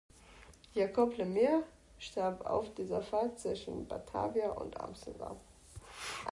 Jacob Le Maire starb auf dieser Fahrt zwischen Batavia und Amsterdam.